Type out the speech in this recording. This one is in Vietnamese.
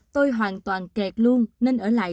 tôi hoàn toàn kẹt luôn nên ở lại